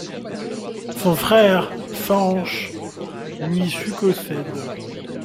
Son frère Sanche lui succède.